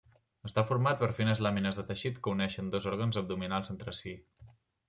Està format per fines làmines de teixit que uneixen dos òrgans abdominals entre si.